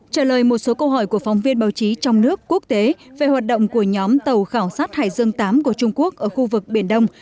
trả lời một số câu hỏi của phóng viên báo chí trong nước quốc tế về hoạt động của nhóm tàu khảo sát hải dương viii của trung quốc ở khu vực biển đông